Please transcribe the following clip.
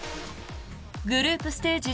グループステージ